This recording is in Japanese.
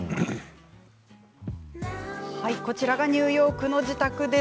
こちらがニューヨークのご自宅。